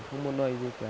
không muốn nói gì cả